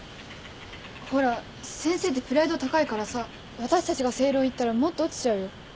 ほら先生ってプライド高いからさ私たちが正論言ったらもっと落ちちゃうよ。